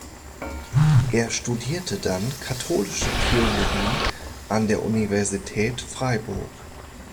Er studierte dann Katholische Theologie an der Universität Freiburg.